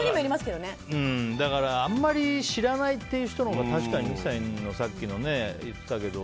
あんまり知らないっていう人も確かに三木さんがさっきも言っていたけど。